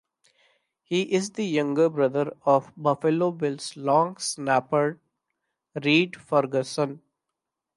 He is the younger brother of Buffalo Bills long snapper Reid Ferguson.